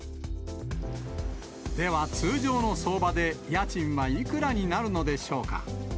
では、通常の相場で家賃はいくらになるのでしょうか。